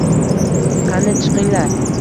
Qani chiqinglar.